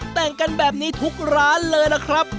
แต่งกันแบบนี้ทุกร้านเลยล่ะครับ